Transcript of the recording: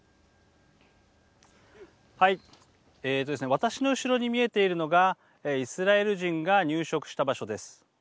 私の後ろに見えているのがイスラエル人が入植した場所です。